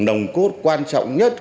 nồng cốt quan trọng nhất